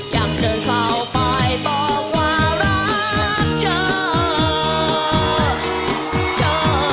อยากเดินเข้าไปบอกว่ารักเธอ